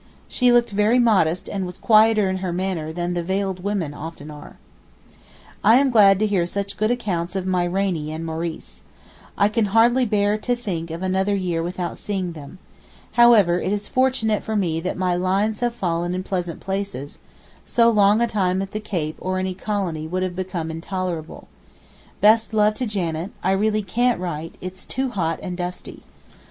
She looked very modest and was quieter in her manner than the veiled women often are. I am so glad to hear such good accounts of my Rainie and Maurice. I can hardly bear to think of another year without seeing them. However it is fortunate for me that 'my lines have fallen in pleasant places,' so long a time at the Cape or any Colony would have become intolerable. Best love to Janet, I really can't write, it's too hot and dusty.